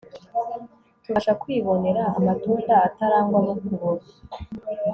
tubasha kwibonera amatunda atarangwamo kubora